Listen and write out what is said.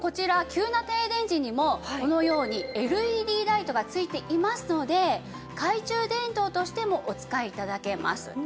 急な停電時にもこのようにＬＥＤライトが付いていますので懐中電灯としてもお使い頂けます。